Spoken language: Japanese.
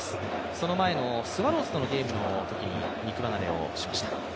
その前のスワローズとのゲームのときに肉離れをしました。